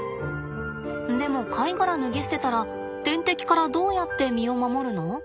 でも貝殻脱ぎ捨てたら天敵からどうやって身を守るの？